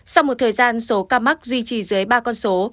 sau một thời gian số ca mắc duy trì dưới ba con số